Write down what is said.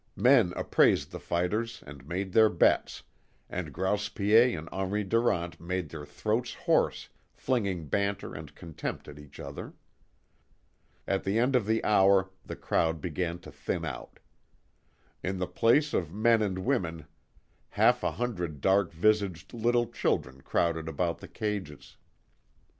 Men appraised the fighters and made their bets, and Grouse Piet and Henri Durant made their throats hoarse flinging banter and contempt at each other. At the end of the hour the crowd began to thin out. In the place of men and women half a hundred dark visaged little children crowded about the cages.